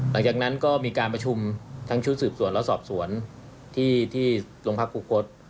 หลังจากนั้นก็มีการประชุมทั้งชุดสืบสวนและสอบสวนที่โรงพักครูคต